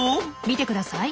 見てください。